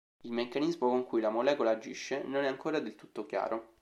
Il meccanismo con cui la molecola agisce non è ancora del tutto chiaro.